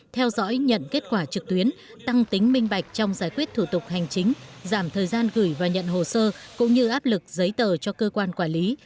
theo dõi nhận kết quả trực tuyến tăng tính minh bạch trong giải quyết thủ tục hành chính giảm thời gian gửi và nhận hồ sơ cũng như áp lực giấy tờ cho cơ quan quản lý